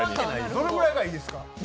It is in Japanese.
どれくらいがいいですか？